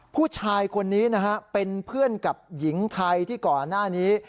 ผู้ชายคนนี้นะฮะเป็นเพื่อนกับหญิงไทยที่ก่อนหน้านี้